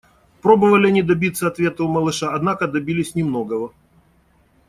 Пробовали они добиться ответа у малыша, однако добились немногого.